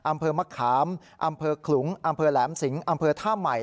อำเภอมะขามอำเภอขลุงอำเภอแหลมสิงอำเภอท่าใหม่